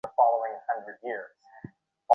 তা কেমন করিয়া হইল?